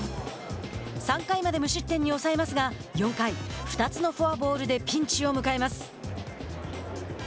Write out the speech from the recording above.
３回まで無失点に抑えますが４回、２つのフォアボールでピンチを迎えます。